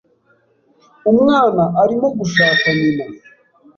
Umwana arimo gushaka nyina.